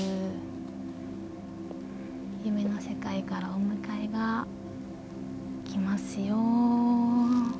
夢の世界からお迎えが来ますよ。